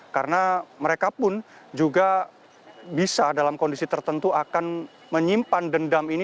karena mereka pun juga bisa dalam kondisi tertentu akan menyimpan dendam ini